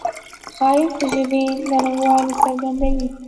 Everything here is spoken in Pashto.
ښایست د ژبې نرموالی څرګندوي